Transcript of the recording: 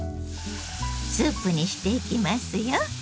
スープにしていきますよ。